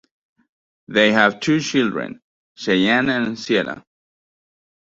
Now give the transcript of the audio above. They have two children Shayne and Sienna.